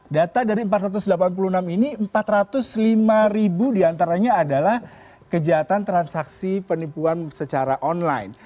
data dari empat ratus delapan puluh enam ini empat ratus lima ribu diantaranya adalah kejahatan transaksi penipuan secara online